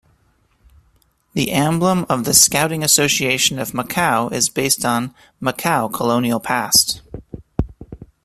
The emblem of the Scouting Association of Macau is based on Macau colonial past.